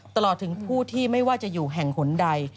ตลอดถึงผู้ที่ไม่ว่าจะอยู่แห่งหนใด